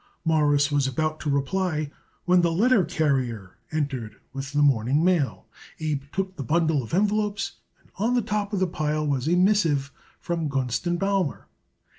Morris was about to reply when the letter carrier entered with the morning mail. Abe took the bundle of envelopes, and on the top of the pile was a missive from Gunst & Baumer.